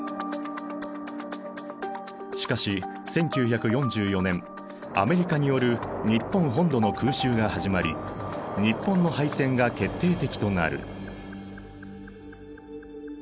しかし１９４４年アメリカによる日本本土の空襲が始まり日本の敗戦が決定的となる。